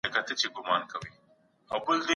د مهابارت په کیسو کي د ګندهارا یادونه څنګه سوې ده؟